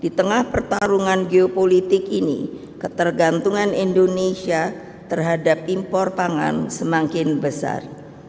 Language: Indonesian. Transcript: di tengah pertarungan geopolitik ini ketergantungan indonesia terhadap impor pangan semakin besar